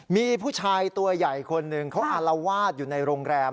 มีผู้ชายตัวใหญ่คนหนึ่งเขาอารวาสอยู่ในโรงแรม